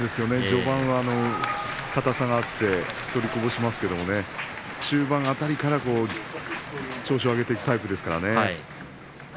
序盤は硬さがあって取りこぼしますけれど中盤辺りから調子を上げていくタイプですからね。